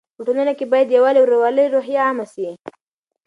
په ټولنه کې باید د یووالي او ورورولۍ روحیه عامه سي.